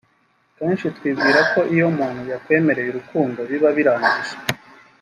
Kenshi twibwira ko iyo umuntu yakwemereye urukundo biba birangiye